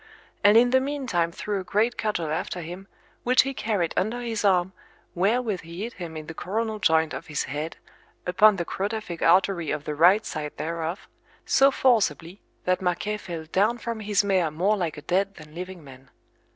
and in the meantime threw a great cudgel after him, which he carried under his arm, wherewith he hit him in the coronal joint of his head, upon the crotaphic artery of the right side thereof, so forcibly, that Marquet fell down from his mare more like a dead than living man.